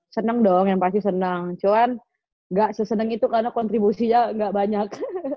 seneng dong yang pasti seneng cuman ga seseneng itu karena kontribusinya ga banyak